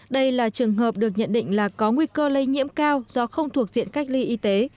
đây là trường hợp được nhận định là có nguy cơ lây nhiễm cao do không thuộc diện cách ly y tế